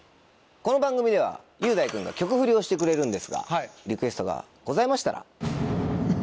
この番組では雄大君が曲フリをしてくれるんですがリクエストがございましたら。